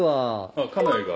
あっ家内が。